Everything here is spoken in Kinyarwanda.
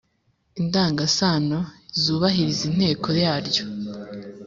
indangasano zubahiriza inteko yaryo,